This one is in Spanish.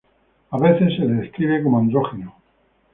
A veces, se le describe como andrógino.